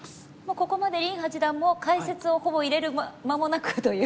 ここまで林八段も解説をほぼ入れる間もなくという。